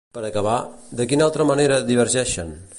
Per acabar, de quina altra manera divergeixen?